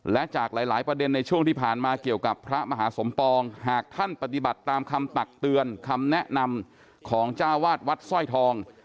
และจากหลายประเด็นในช่วงที่ผ่านมาเกี่ยวกับพระมหาสมปองหากท่านปฏิบัติตามคำตักเตือนคำแนะนำของจ้าวาดวัดสร้อยทอง